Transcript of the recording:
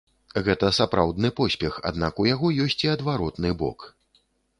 Гэта сапраўдны поспех, аднак у яго ёсць і адваротны бок.